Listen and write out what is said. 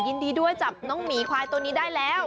ยินดีด้วยจับน้องหมีควายตัวนี้ได้แล้ว